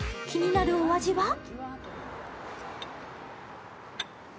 気になるお味は？